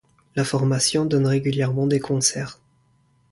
La formation donne régulièrement des concerts.